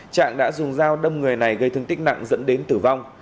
trạng đã dùng dao đâm người này gây thương tích nặng dẫn đến tử vong